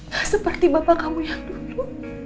hah seperti bapak kamu yang dulu